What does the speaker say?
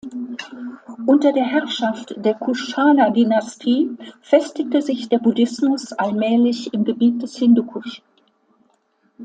Unter der Herrschaft der Kuschana-Dynastie festigte sich der Buddhismus allmählich im Gebiet des Hindukusch.